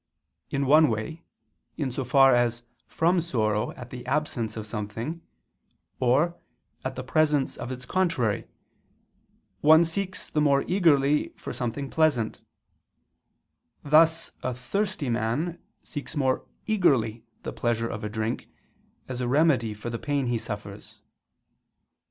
In one way, in so far as from sorrow at the absence of something, or at the presence of its contrary, one seeks the more eagerly for something pleasant: thus a thirsty man seeks more eagerly the pleasure of a drink, as a remedy for the pain he suffers.